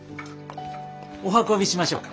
お運びしましょうか？